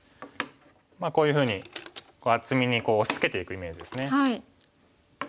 こういうふうに厚みに押しつけていくイメージですね。